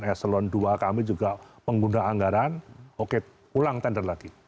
eselon ii kami juga pengguna anggaran oke pulang tender lagi